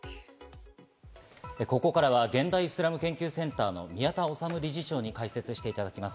ここからは現代イスラム研究センターの宮田律理事長に解説していただきます。